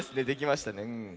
できましたね。